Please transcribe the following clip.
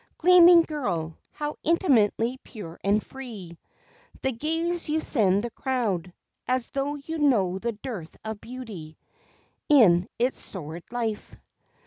Gleaming Girl, how intimately pure and free The gaze you send the crowd, As though you know the dearth of beauty In its sordid life.